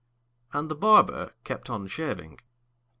And the barber kept on shaving.